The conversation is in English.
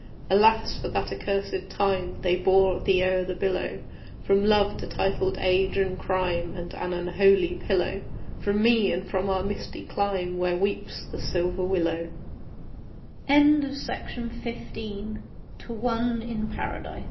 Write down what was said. Alas! for that accursed time They bore thee o'er the billow, From love to titled age and crime, And an unholy pillow! From me, and from our misty clime, Where weeps the silver willow! 1835 THE COLISEUM. Type of the antiqu